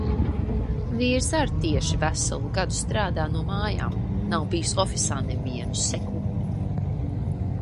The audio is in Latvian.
Vīrs ar’ tieši veselu gadu strādā no mājām, nav bijis ofisā ne vienu sekundi.